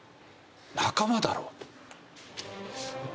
仲間だろ！と。